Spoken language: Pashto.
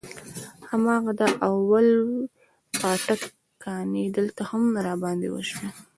هماغه د اول پاټک کانې دلته هم راباندې وسوې.